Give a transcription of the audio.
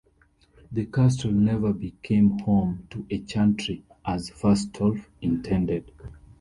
The Castle never became home to a chantry, as Fastolf intended.